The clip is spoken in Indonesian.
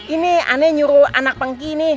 ini ane nyuruh anak pangki ini